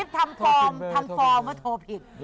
กิฟท์ทำความว่าโทรผิด